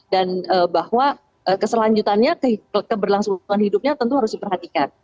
dan bahwa keselanjutannya keberlangsungan hidupnya tentu harus diperhatikan